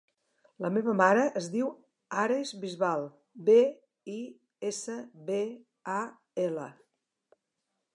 La meva mare es diu Ares Bisbal: be, i, essa, be, a, ela.